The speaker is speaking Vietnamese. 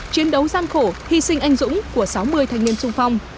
chiến đấu gian khổ hy sinh anh dũng của sáu mươi thanh niên sung phong